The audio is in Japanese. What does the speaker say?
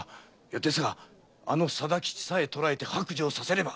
ですが貞吉さえ捕らえて白状させれば！